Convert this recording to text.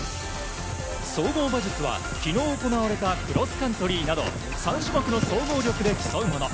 総合馬術は、昨日行われたクロスカントリーなど３種目の総合力で競うもの。